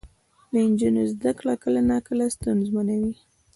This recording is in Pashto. د نجونو زده کړه کله ناکله ستونزمنه وي.